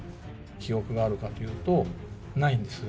記憶があるかというと、ないんです。